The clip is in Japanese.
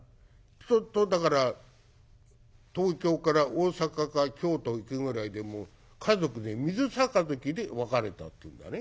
ちょっとだから東京から大阪か京都行くぐらいでも家族で水杯で別れたっていうんだね。